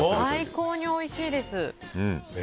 最高においしいです。